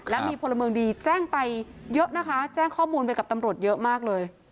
และมีพลเมืองดีแจ้งไปเยอะนะคะแจ้งข้อมูลไปกับตำรวจเยอะมากเลย